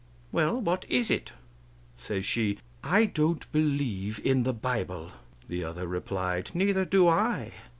"Well, What is it?" Says she: "I don't believe in the bible." The other replied: "Neither do I."